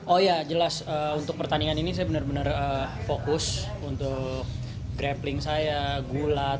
oh ya jelas untuk pertandingan ini saya benar benar fokus untuk grappling saya gulat